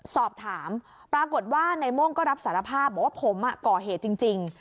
สอบถามปรากฏว่าในโม่งก็รับสารภาพบอกว่าผมก่อเหตุจริง